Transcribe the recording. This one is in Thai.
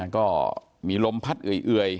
ก็มีลมพัดเอื่อย